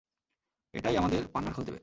এটাই আমাদের পান্নার খোঁজ দেবে!